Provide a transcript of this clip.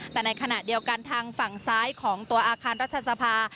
แต่ในขณะเดียวกันทางฝั่งซ้ายของตัวอาคารรัฐสภา